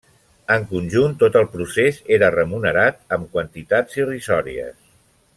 En conjunt, tot el procés era remunerat amb quantitats irrisòries.